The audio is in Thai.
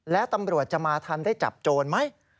แล้วตำรวจจะมาทันได้จับโจรไหม